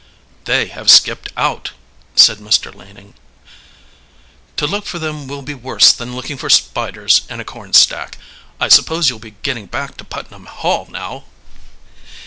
"They have skipped out," said Mr. Laning. "To look for them will be worse than looking for spiders in a corn stack. I suppose you'll be getting back to Putnam Hall now?"